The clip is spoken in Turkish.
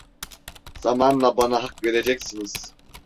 Zamanla bana hak vereceksiniz.